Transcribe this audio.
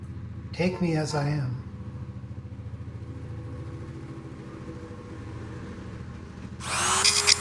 Take me as I am.